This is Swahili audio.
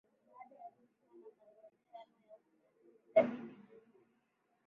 Baada ya hujma na mazungushano ya huku na kule ikabidi iundwe